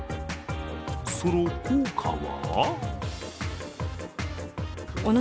その効果は？